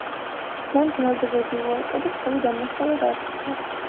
მან ბრალდებები უარყო და თავი დამნაშავედ არ ცნო.